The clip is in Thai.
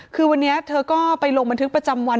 คือวันนี้เธอก็ไปลงบันทึกประจำวัน